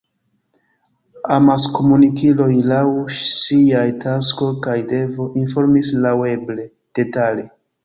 Amaskomunikiloj, laŭ siaj tasko kaj devo, informis laŭeble detale.